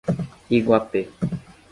Iguape